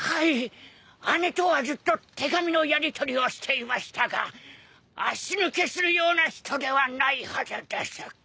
姉とはずっと手紙のやり取りをしていましたが足抜けするような人ではないはずです。